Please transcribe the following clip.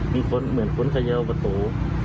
เหมือนคนเขย่าประตู